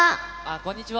こんにちは。